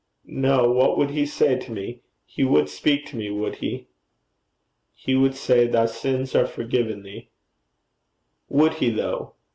'No. What would he say to me? He would speak to me, would he?' 'He would say: Thy sins are forgiven thee.' 'Would he, though?